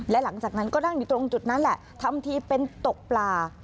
และหลังจากนั้นก็นั่งอยู่ตรงจุดนั้นแหละทำทีเป็นตกปลา